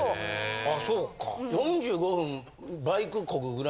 あそうか。